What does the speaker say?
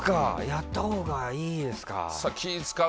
やったほうがいいですか。